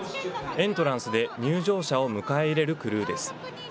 エントランスで入場者を迎え入れるクルーです。